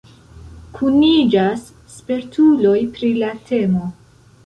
Kuniĝas spertuloj pri la temo.